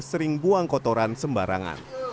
sering buang kotoran sembarangan